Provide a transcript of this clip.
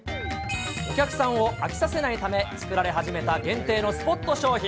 お客さんを飽きさせないため作られ始めた、限定のスポット商品。